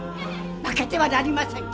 負けてはなりません。